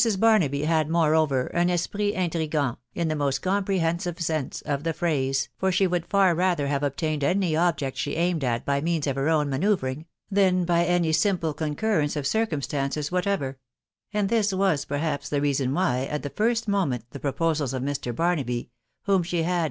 Barnaby had moreover un esprit intriguant in the most comprehensive sense of the phrase, for she would far rather have obtained any object she aimed at by means* of her own manoeuvring, than by any simple concurrence of circumstances whatever ; and this was perhaps the reason why, tat the "tint Homent the proposals of Mr. Barnaby, whom (she had (com.